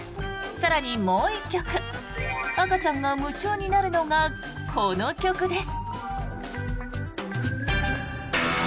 更に、もう１曲赤ちゃんが夢中になるのがこの曲です。